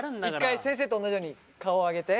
一回先生と同じように顔上げて。